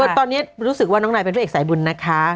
ตอนนี้รู้สึกว่าน้องนายเป็นพระเอกสายบุญนะคะ